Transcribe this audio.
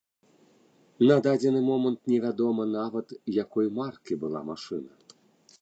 На дадзены момант невядома нават, якой маркі была машына.